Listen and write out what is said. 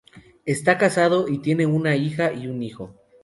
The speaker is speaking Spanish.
Está casado y tiene una hija y un hijo.